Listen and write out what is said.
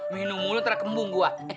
minum mulu terlalu kembung gue